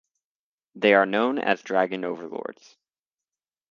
They are known as Dragon Overlords.